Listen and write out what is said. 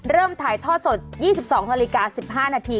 เริ่มถ่ายทอดสด๒๒นาฬิกา๑๕นาที